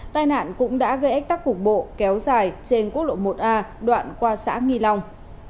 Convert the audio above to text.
tai nạn cũng đã gây ách tắc cục bộ kéo dài trên quốc lộ một a đoạn qua xã nghi long